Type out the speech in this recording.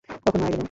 কখন মারা গেলো?